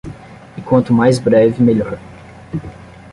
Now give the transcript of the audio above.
E quanto mais breve melhor.